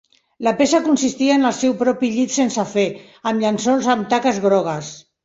La peça consistia en el seu propi llit sense fer, amb llençols amb taques grogues.